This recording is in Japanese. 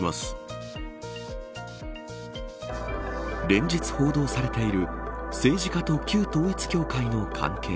連日、報道されている政治家と旧統一教会の関係。